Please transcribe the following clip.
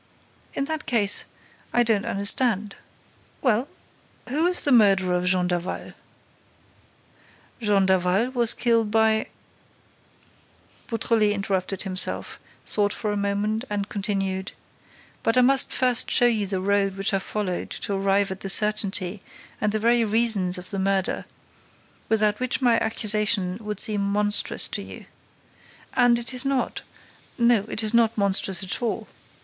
"In that case, I don't understand.—Well, who is the murderer of Jean Daval?" "Jean Daval was killed by—" Beautrelet interrupted himself, thought for a moment and continued: "But I must first show you the road which I followed to arrive at the certainty and the very reasons of the murder—without which my accusation would seem monstrous to you.—And it is not—no, it is not monstrous at all.